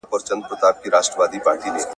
پاچا یوازې په خپلو عیش او عشرت بوخت و.